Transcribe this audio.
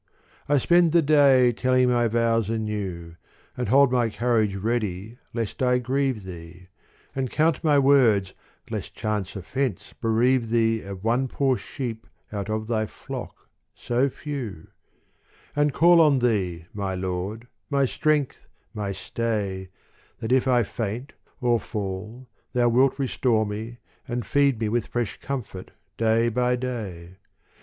I spend the day telling my vows anew, And hold my courage ready lest I grieve Thee, And count my words lest chance oflfence bereave Thee Of one poor sheep out of Thy flock so few : And call on Thee my Lord, my Strength, my Stay, That if I faint or fall Thou wilt restore me And feed me with fresh comfort day by day.